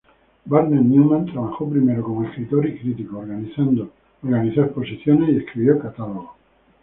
Barnett Newman trabajó primero como escritor y crítico; organizó exposiciones y escribió catálogos.